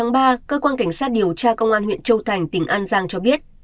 ngày ba cơ quan cảnh sát điều tra công an huyện châu thành tỉnh an giang cho biết